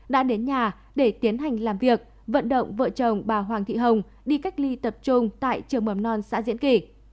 đã đến nhà để tiến hành làm việc vận động vợ chồng bà hoàng thị hồng đi cách ly tập trung tại trường mầm non xã diễn kỳ